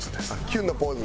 「キュン」のポーズ？